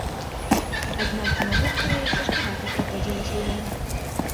Аднак з навукай цяжкавата прыходзілася яму.